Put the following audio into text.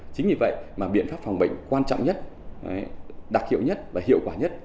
chính vì vậy mà biện pháp phòng bệnh quan trọng nhất đặc hiệu nhất và hiệu quả nhất